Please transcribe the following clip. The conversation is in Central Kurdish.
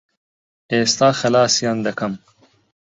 ئێستا خەلاسیان دەکەم.